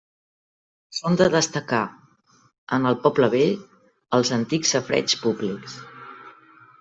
Són de destacar, en el poble vell, els antics safareigs públics.